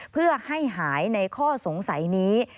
เพื่อให้หายในข้อสงสัยนี้